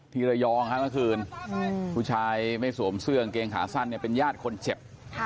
ที่ระยองฮะเมื่อคืนผู้ชายไม่สวมเสื้อกางเกงขาสั้นเนี่ยเป็นญาติคนเจ็บ